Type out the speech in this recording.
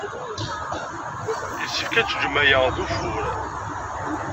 Yessefk ad teǧǧem aya d ufur.